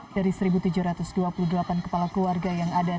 dari satu tujuh ratus dua puluh delapan kepala keluarga yang ada